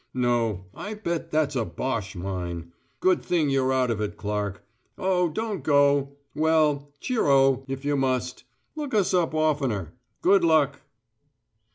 No, I bet that's a Boche mine. Good thing you're out of it, Clark. Oh, don't go. Well, cheero! if you must. Look us up oftener. Good luck!"